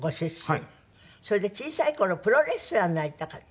それで小さい頃プロレスラーになりたかった。